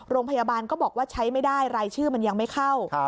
โรงพยาบาลก็บอกว่าใช้ไม่ได้รายชื่อมันยังไม่เข้า